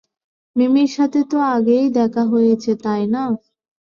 মিমির সাথে তো আগেই দেখা হয়েছে, তাই না?